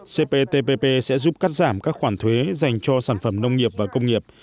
cptpp sẽ giúp cắt giảm các khoản thuế dành cho sản phẩm nông nghiệp và công nghiệp